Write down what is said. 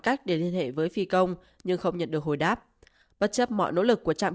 cách để liên hệ với phi công nhưng không nhận được hồi đáp bất chấp mọi nỗ lực của trạm